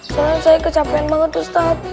soalnya saya kecapean banget ustadz